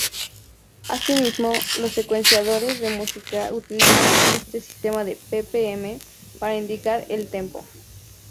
Asimismo, los secuenciadores de música utilizan este sistema de "ppm" para indicar el "tempo".